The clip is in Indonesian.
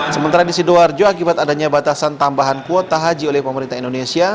sementara di sidoarjo akibat adanya batasan tambahan kuota haji oleh pemerintah indonesia